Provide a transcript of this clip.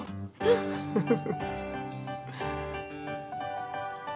フフフ。